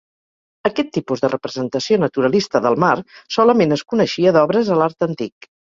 Aquest tipus de representació naturalista del mar solament es coneixia d'obres a l'art antic.